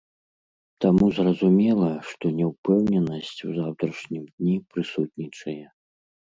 Таму зразумела, што няўпэўненасць у заўтрашнім дні прысутнічае.